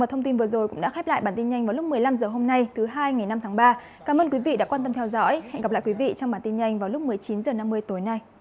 cảm ơn các bạn đã theo dõi và hẹn gặp lại trong các bản tin tiếp theo